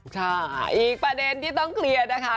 ใช่อีกประเด็นที่ต้องเคลียร์นะคะ